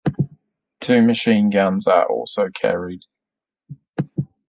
Two machine guns are also carried.